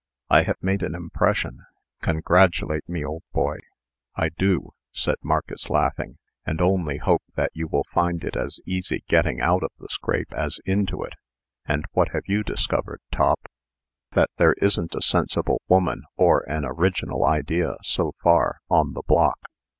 "I have made an impression. Congratulate me, old boy!" "I do," said Marcus, laughing, "and only hope that you will find it as easy getting out of the scrape as into it. And what have you discovered, Top?" "That there isn't a sensible woman or an original idea, so far, on the block.